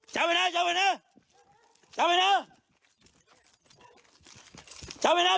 จับไอ้หน้าจับไอ้หน้า